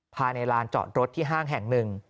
ภายในลานจอดรถที่ห้างแห่งหนึ่ง